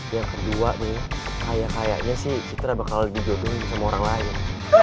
yang kedua nih kayak kayaknya sih citra bakal dijodohin sama orang lain